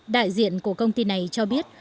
đại diện của công ty này cho biết